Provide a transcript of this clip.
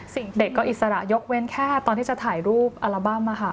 เด็กก็อิสระยกเว้นแค่ตอนที่จะถ่ายรูปอัลบั้ม